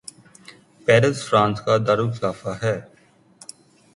Paris France کا دارلخلافہ ہے